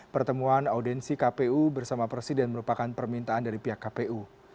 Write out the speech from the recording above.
pertemuan audensi kpu bersama presiden merupakan permintaan dari pihak kpu